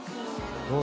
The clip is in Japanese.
どう？